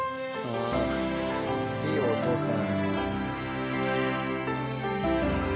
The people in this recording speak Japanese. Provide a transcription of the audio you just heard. いいお父さん。